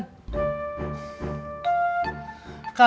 kalian harus berpikir di luar kota